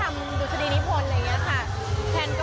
แพนก็รอสรุปโม้ข้ออยู่อะไรอย่างนี้